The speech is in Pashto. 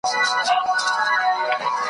بیا موسم د شګوفو سو غوړېدلی ارغوان دی ,